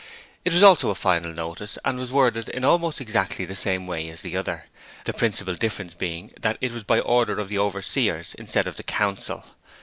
It was also a Final Notice and was worded in almost exactly the same way as the other, the principal difference being that it was 'By order of the Overseers' instead of 'the Council'.